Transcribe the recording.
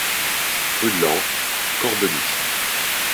Rue de Laon, Corbeny